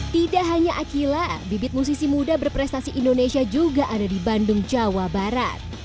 tidak hanya akila bibit musisi muda berprestasi indonesia juga ada di bandung jawa barat